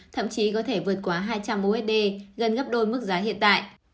thậm chí có thể vượt quá hai trăm linh usd gần gấp đôi mức giá hiện tại